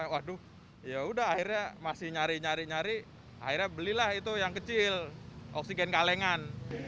waduh yaudah akhirnya masih nyari nyari nyari akhirnya belilah itu yang kecil oksigen kalengan